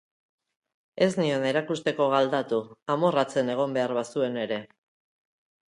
Ez nion erakusteko galdatu, amorratzen egon behar bazuen ere.